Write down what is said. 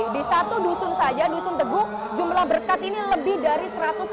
di satu dusun saja dusun teguh jumlah berkat ini lebih dari satu ratus lima puluh